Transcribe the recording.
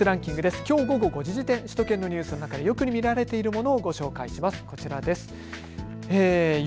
きょう午後５時時点の首都圏のニュースの中で特に見られているものをご紹介します。